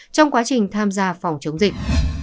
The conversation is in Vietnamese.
trong quá trình tham gia phòng chống dịch